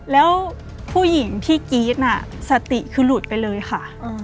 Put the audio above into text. แล้วผู้หญิงที่กรี๊ดน่ะสติคือหลุดไปเลยค่ะ